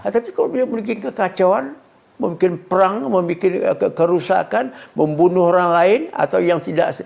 tapi kalau dia memiliki kekacauan mungkin perang membuat kerusakan membunuh orang lain atau yang tidak